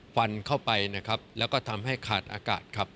ฟันเข้าไปนะครับแล้วก็ทำให้ขาดอากาศครับ